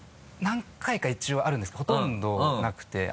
何回か一応あるんですけどほとんどなくて。